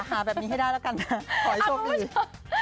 หาแบบนี้ให้ได้แล้วกันนะขอให้โชคดี